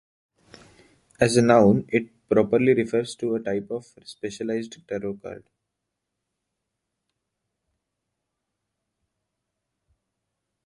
As a noun, it properly refers to a type of specialized Tarot card.